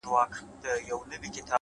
هره تېروتنه د درک نوې دروازه ده’